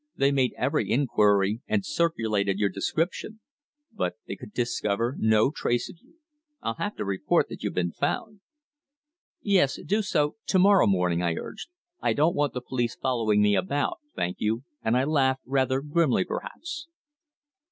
They made every inquiry and circulated your description. But they could discover no trace of you. I'll have to report that you've been found." "Yes, do so to morrow morning," I urged. "I don't want the police following me about thank you," and I laughed, rather grimly perhaps.